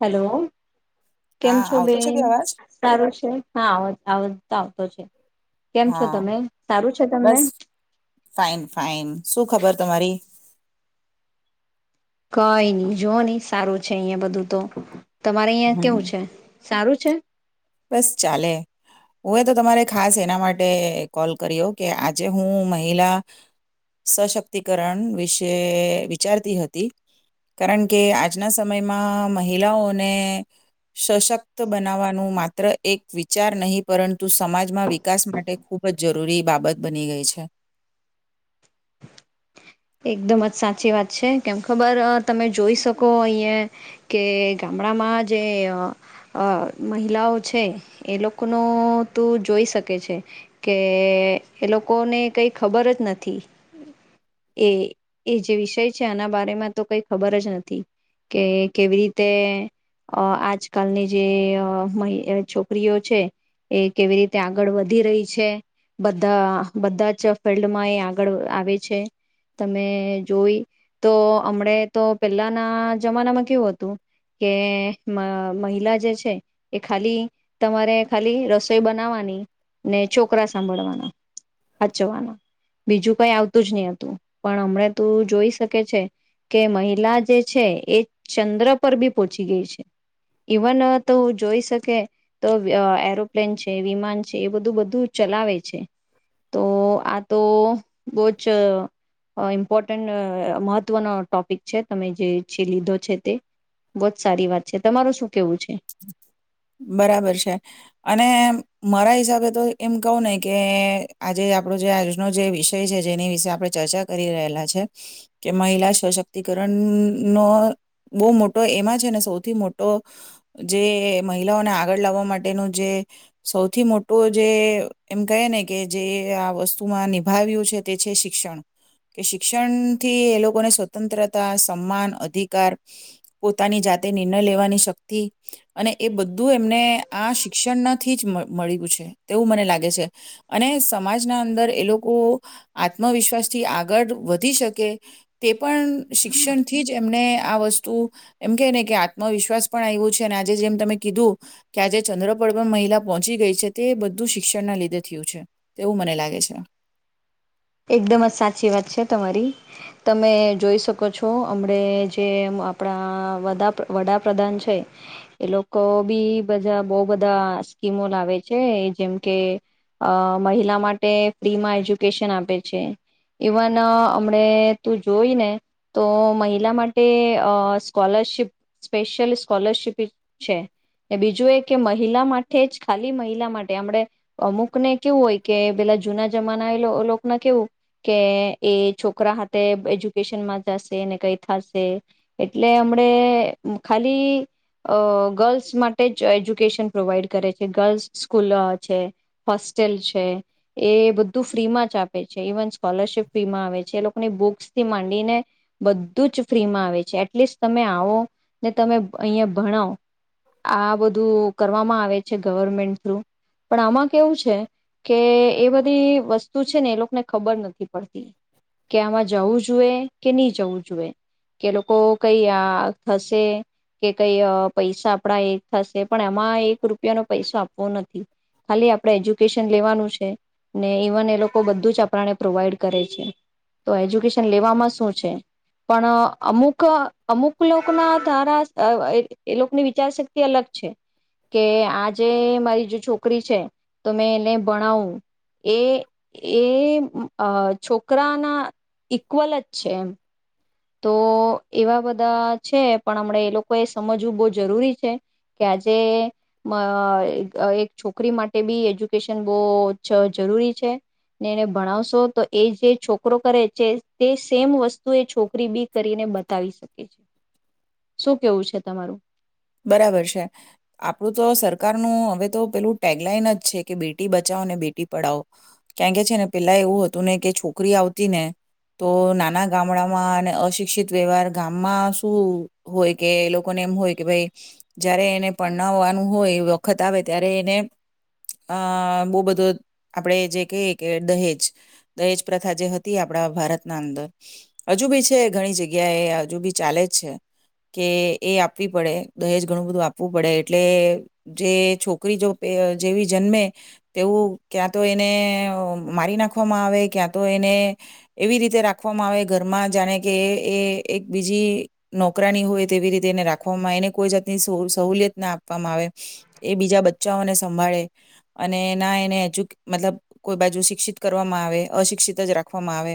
Hello કેમ હા છો આવતો છે બેન કે અવાજ સારો છે હા આવ તો આવતો છે કેમ છો હા તમે સારું છે તમને બસ ફઇન ફઇન શું ખબર તમારી કઈ નહી જો નહી સારું છે અહિયાં બધું તો તમારે અહિયાં હમ કેવું છે સારું છે બસ ચાલે હું તો તમારે ખાસ એના માટે કોલ કર્યો કે આજે હું મહિલા સશક્તિકરણ વિશે વિચારતી હતી કારણ કે આજના સમયમાં મહિલાઓને સશક્ત બનાવવાનું માત્ર, માત્ર એક વિચાર નહીં પરંતુ સમાજમાં વિકાસ માટે ખૂબ જ જરૂરી બાબત બની ગઈ છે એકદમ જ સાચી વાત છે કેમ ખબર તમે જોઈ શકો અહીંયા કે ગામડામાં જે મહિલાઓ છે એ લોકોનો તું જોઈ શકે છે કે એ લોકોને કઈ ખબર જ નથી એ એ જે વિષય છે એના બારમાં તો કઈ ખબર જ નથી કે કેવી રીતે આજકાલની જે છોકરીઓ છે એ કેવી રીતે આગળ વધી રહી છે બધા બધા જ ફિલ્ડમાં એ આગળ આવે છે તમે જોઈ તો હમણે તો પહેલાના જમાનામાં કેવું હતું કે મહિલા જે છે એ ખાલી તમારે ખાલી રસોઈ બનાવવાની ને છોકરા સાંભળવાના વાચવાના બીજું કઈ આવતું જ નહ હતું પણ હમણાં તો જોઈ શકે છે કે મહિલા જે છે એ ચંદ્ર પર બી પહોંચી ગઈ છે ઈવન તો જોઈ શકે તો એરોપ્લેન છે વિમાન છે એ બધું બધું ચલાવે છે તો આ તો બહ જ ઇમ્પોર્ટન્ટ મહત્વનો ટોપિક છે તમે જે છે લીધો છે તે બહુ જ સારી વાત છે તમાર શું કેવું છે બરાબર છે અને મારા હિસાબે તો એમ કહું ને કે આજે આપણો જે આયોજનો જે વિષય છે જેની વિશે આપડે ચર્ચા કરી રહેલા છે કે મહિલા સશક્તિકરણનોો બહુ મોટો એમાં છે ને સૌથી મોટો જે મહિલાઓને આગળ લાવવા માટેનું જે સૌથી મોટું જે એમ કહે ને કે જે આ વસ્તુમાં નિભાવ્યું છે તે છે શિક્ષણ કે શિક્ષણથી એ લોકોને સ્વતંત્રતા સન્માન અધિકાર પોતાની જાતે નિર્ણય લેવાની શક્તિ અને એ બધું એમને આ શિક્ષણનાથી જ મળ છે તેવું મને લાગે છે અને સમાજના અંદર એ લોકો આત્મવિશ્વાસ થી આગળ વધી શકે તે પણ શિક્ષણ થી જ એને આ વસ્તુ એમ કે ને કે આત્મવિશ્વાસ પણ આવ્યો છે આજે જેમ ત કીધું કે આજે ચંદ્રપળ પણ મહિલા પહોંચી ગઈ છે તે બધું શિક્ષણના લીધે થયું છે તેવું મને લાગે છે એકદમ જ સાચી વાત છે તમારી તમે જોઈ શકો છો હમણા જે આપણા વડાપ્રધાન છે એ લોકો બી બધા બહુ બધા સ્કીમો લાવે છે જેમ કે મહિલા માટે ફ્રીમાં એજ્યુકેશન આપે છે ઈવન હમ તું જોઈ ને તો મહિલા માટે સ્કોલરશીપ સ્પેશિયલ સ્કોલરશિપ છે બીજું એ કે મહિલા માટે જ ખાલી મહિલા માટે આપમ અમુક ને કેવું હોય કે પેલા જૂના જમાના લોકો કેવું કે એ છોકરા હાથે એજ્યુકેશનમાં જશે ને કઈ થશે એટલે હમણે ખાલી ગર્લ્સ માટે જ એજ્યુકેશન પ્રોવાઈડ કરે છે ગર્લ્સ સ્કૂલ છે હોસ્ટેલ છે એ બધું ફ્રીમાં જ આપે સ્લરશપ ફ્રીમાં આવે છે એ લોકોને બુક્સ થી માંડીને બધું જ ફ્રીમાં આવે છે એટલીસ્ટ તમે આવો ને તમે અહંયા ભણાવ આ બધું કરવામાં આવે છે ગવર્મેન્ટ થ્રુ પણ આમાં કેવું કે એ બધી વસ્તુ છે ને ખબર નથી પડતી કે આમાં જવું જોઈએ કે નહી જવું જોઈએ કે લોકો કઈ આ થશે કે કઈ પૈસા આપણા એક થશે પણ એમાં એક રૂપિયાનોો પૈસ આપવો નથી ખાલી આપડે એજ્યુકેશન લેવાનું છે ને ઇવન એ લોકો બધું જ આપ પ્રોવાઈડ કરે છે તો એજ્યુકેશન લેવામાં શું છે પણ અમુક અમુક લોકોના ધારા એ લોકોની વિચારશક્તિ અલગ છે કે આ જેે મારી જો છોકરી છે તો મેં એને ભણાવું એ અ છોકરાના ઇક્વલ જ છે એમ તો એવા બધા છે પણ હમણા એ લોકો એ સમજવું બહુ જરૂરી છે કે આજે એક છોકરી માટે બી એજ્યુકેશન બહુ જરૂરી છે ને એને ભણાવશો તો એ જે છોકરો કરે છે તે સેમ વસ્તુ એ છોક તરીબી કરીને બતાવી શકે છે શું કેવું છે તમારું બરાબર છે આપડું તો સરકારનું હવે તો પેલું ટેગલાઈન જ છે કે બેટી બચાવો બેટી પડાવો કં કે છે ને પેલા એવું હતું ને કે છોકરી આવતી ને તો નાના ગામડામાં અને અશિક્ષિત વ્યવહાર ગામમાં શું હોય કે એ લોકોને એમ હોય કે ભાઈ જયારે એને પરણવવાનું હોય વખત આવે ત્યારે એને અ બહુ બધો આપણેે જે કહી કે દહેજ દહેજ પ્રથા જે હતી આપણા ભારતના અંદર હજુ બી છે ઘણી જગ્યા એ હજુ બી ચાલે જ છે કે એ આપવી પડે દહેજ ઘણું બધું આપવું પડે એટલે જે છોકરી જો જેવી જન્મે તેવું ક્યાં તો એને મારી નાખવામાં આવે ક્યાં તો એને એવી રીતે રાખવામાં આવે ઘરમાં જાણે કે એ એક બીજી નોકરાની હોય તેવી રીતે એને રાખવામાં આવે એને કોઈ જાતની સોળ સહુલિયત ના આપવામાં આવે એ બીજા બચ્ચાઓને સંભાળે અને ના એને એજુ મતલબ કોઈ બાજુ શિક્ષિત કરવામાં આવે અશિક્ષિત જ રાખવામાં આવે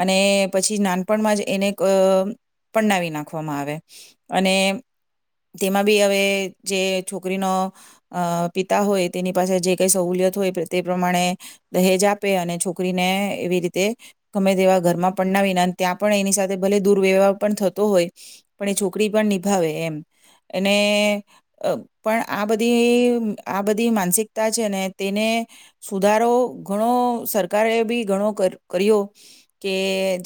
અને પછી નાનપણમાં જ એને ક પનાવી નાખવામાં આવે. અને તેમાં બી હવે જે છોકરીનો અ પિતા હોય તેની પાસે જે કઈ સહુલિયત હોય તે પ્રમાણે દહેજ આપે અને છોકરીને એવી રીતે ગમે તેવા ઘરમાં પનાવીને ત્યાં પણ એની સાથે ભલે દુર્વ્યવહાર પણ થતો હોય પણ એ છોકરી પણ ની ભાવે એમ અને અ પણ આ બધી આ બધી માનસિકતા છે ને તેને સુધારો ઘણો સરકારે બી ઘણો કર્યો કે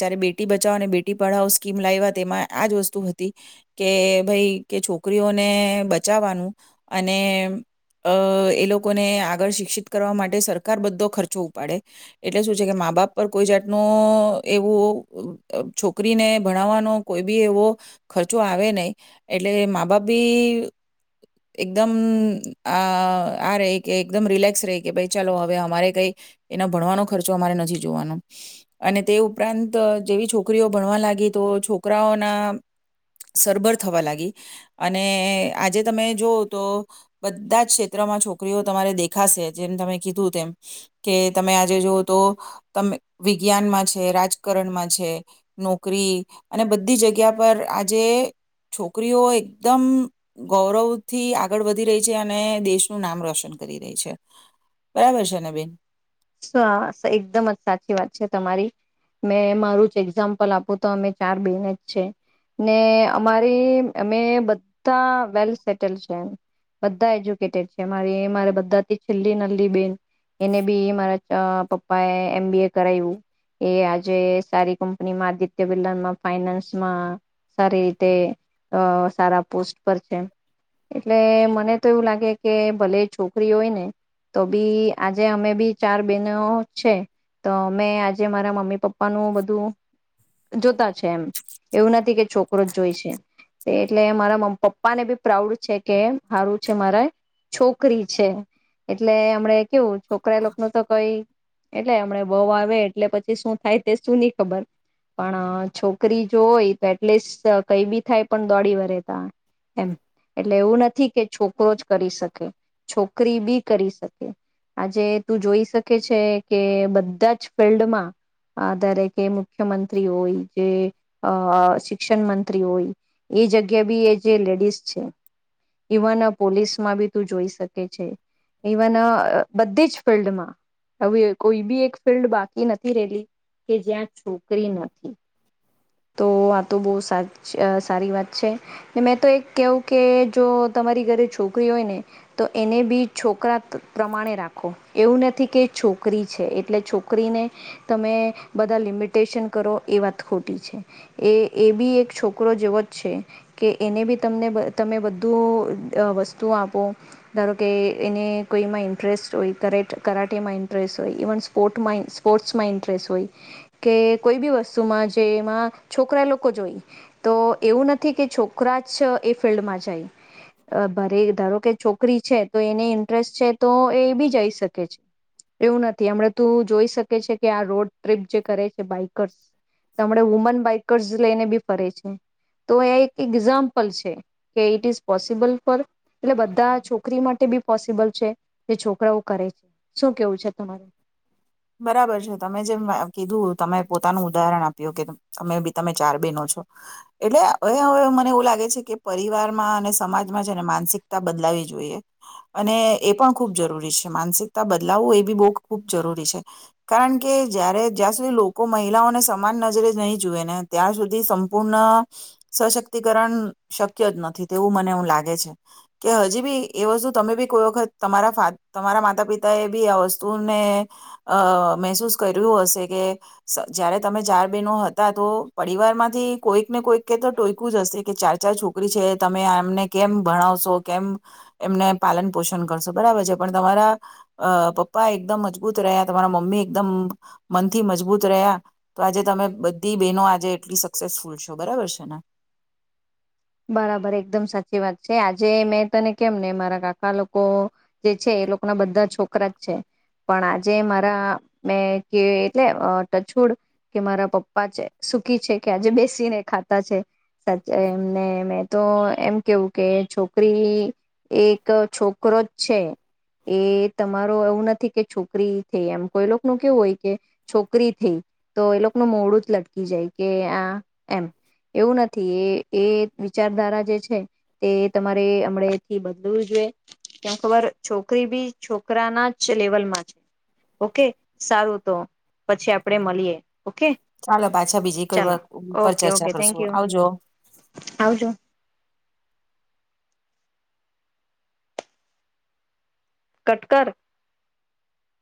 જયારે બેટી બચાવો અને બેટી પઢાવો સ્કીમ લાવવા તેમાં આજ વસ્તુ હતી. કે ભાઈ કે છોકરીઓને બચાવવાનું અને અ એ લોકોને આગળ શિક્ષિત કરવા માટે સરકાર બધો ખર્ચો ઉપાડે એટલે શું છે કે મા બાપ પર કોઈ જાતનો એવું છોકરીને ભણાવવાનો કોઈ બી એવો ખર્ચો ઓ આવે નહી એટલે મા બાપ બી એકદમ આ આ ર કે એકદમ રિલેક્સ રહે કે ભાઈ ચાલો હવે અમારે કઈ એના ભણવાનો ખર્ચો અમારે નથી જોવાનો અને તે ઉપરાંત જેવી છોકરીઓ ભણવા લાગી તો છોકરાઓના સરભર થવા લાગી અને આજે તમે જોવઓ તો બધા જ ક્ષેત્રમાં છોકરીઓ તમારે દેખાશે જેમ તમે કીધું તેમ કે તમે આજે જવઓ તો ત વિજ્ઞાનમાં છે રાજકારણમાં છે નોકરી અને બધી જગ્યા પર આજ જે છોકરીઓ એકદમ ગૌરવ થી આગળ વધી રહી છે અને દેશનું નામ રોશન કરી રહી છે બરાબર છે ને બેન. સરસ એકદમ જ સાચી વાત છે તમારી મેં મારું જ એક્ઝામ્પલ આપું તો અમે ચાર બેન જ છે ને અમારી મે બધા વેલ સેટલ છે એમ બધા એજ્યુકેટેડ છે મારી મારી બધા છેલ્લી નલ્લી બેન એને બી મારા પપ્પા એ એમ બી એ કરાયું એ આજે સારી કંપનીમાં આદિત્ય બિલામાં ફાઈનાન્સમાં સારી રીતે અ સારા પોસ્ટ પર છે એટલે મને તો એવું લાગે કે ભલે છોકરી હોય ને તો બી આજે અમે બી ચાર બેહેનો છે તો મેં આજે મારા મમ્મી પપ્પાનું બધું જોતા છે એમ એવું નથી કે છોકરો જ જોય છે એટલે મારામ્ પપ્પા ને બી પ્રાઉડ છે કે હારું છે મારા છોકરી છે એટલે હમણે કેવું છોકરા લોકો ન તો કઈ એટલે હમણા બહુ આવે એટલે પછી શું થાય તે સુું નહી ખબર પણ છોકરી જો હોય તો એટલીસ્ટ કઈ બી થાય પણ દોડી વરે તા એમ એટલે એવું નથી કે છોકરો જ કરી શકે છોકરી બી કરી શકે. આજે તું જોઈ શકે છે કે બધા જ ફિલ્ડમાં દારે કે મુખ્યમંત્રી હોય જે અ શિક્ષણ મંત્રી હોય એ જગ્યા બી એ જે લેડીઝ છે ઈવન પોલીસમાં બી તું જોઈ શકે છે ઈવન બધી જ ફિલ્ડ માં આવી કોઈ બી એક ફિલ્ડ બાકી નથી રહેલી કે જ્યાં છોકરી નથી. તો આ તો બ સારી વાત છે મેં તો એક કેવું કે જો તમારી ઘરે છોકરી હોય ને તો એને બી છોકરા પ્રમાણે રાખો. એવું નથી કે છોકરી છે એટલે છોકરીને તમે બધા લિમિટેશન કરો એ વાત ખોટી છે એ એ બી એક છોકરો જેવો જ છે કે એને બી તમને તમે બધું વસ્તુ આપો ધારો કે એને કોઈમાં ઇન્ટરેસ્ટ હોય કરાટેમાં ઇન્ટરેસ્ટ હોય, ઇવન સ્પોર્ટમાં સ્પોર્ટ્સમાં ઇન્ટરેસ્ટ હોય કે કોઈ બી વસ્તુમાં જે એમાં છોકરા લોકો જોઈ તો એવું નથી કે છોકરા જ એ ફિલ્ડમાં જાય ભરે ધારો કે છોકરી છે તો એને ઇન્ટરેસ્ટ છે તો એ બી જઈ શ કે છે એવું નથી હમ તું જોઈ શકે છે કે આ રોડ ટ્રીપ જે કરે છે બાઈકર્સ તો હમ વુમન બાઈકર્સ લઈને બી ફરે છે તો એ એક એક્ઝામ્પલ છે કે ઇટ ઇઝ પોસિબલ ફોર એટલે બધા છોકરી માટે બી પોસિબલ છે જે છોકરાઓ કરે છે. શું કેવું છે તમારું? બરાબર છે તમે જેમ કીધું તમે પોતાનું ઉદાહરણ આપ્યું કે તમે બી તમે ચાર બહેનો છો એટલેવે હવે મને એવું લાગે છે કે પરિવારમાં અને સમાજમાં છેને માનસિકતા બદલાવી જોઈએ અને એ પણ ખૂબ જરૂરી છે માનસિકતા બદલાવું એ બી બહુ ખૂબ જરૂરી છે. કારણ કે જારે જ્યાં સુધી લોકો મહિલાઓને સમાન નજરે નહીં જુએ ને ત્યાં સુધી સંપૂર્ણ સશક્તિકરણ શક્ય જ નથી તેવું મને એું લાગે છે કે હજી બી એ વસ્તુ તમે બી કોઈ વખત તમારા તમારા માતા પિતા એ બી આ વસ્તુને અ મહેસૂસ કર્યું હશે કે જયારે તમે ચાર બહેનો હતા તો પરિવાર માંથી કોઈક ને કોઈક કે તો ટોયકું જ હશે કે ચાર ચાર છોકરી છે તમે એમને કેમ ભણાવશો કેમ એમને પાલન પોષણ કરશો બરાબર છે પણ તમારા અ પપ્પા એકદમ મજબૂત રહ્યા તમારા મમ્મી એકદમ મનથી મજબૂત રહ્યા તો આજે તમે બધી બહેનો આજે એટલી સક્સેસફુલ છો બરાબર છે ને. બરાબર એકદમ સાચી વાત છે આજે મેં તને કેમ ને મારા કાકા લોકો જે છે એ લોકો ના બધા છોકરા જ છે પણ આજે મારા મેં કે એટલે ટછુડ કે મારા પપ્પા છે સુખી છે કે આજે બેસીને ખાતા છે. સા ને મેં તો એમ કેવું કે છોકરી એક છોકરો જ છે એ તમારો એવું નથી કે છોકરી થઈ એમ કોઈ ન કેવું હોય કે છોકરી થઈ તો એ લોકોનું મોડું જ લટકી જાય કે આ એમ એવું નથી એ એ વિચારધારા જે છે તે તમારે હમથી બદલવું જોઈએ ત ખબર છોકરી બી છોકરાના જ લેવલમાં છે ઓકે. સારું તો પછી આપડે મળીએ ઓકે ચાલો પાછા બીજી કોઈ ચાલ વાર પર ઓકે ચર્ચા ઓકે થેન્ક કરશું યુ. આવજો આવજો. કટકર.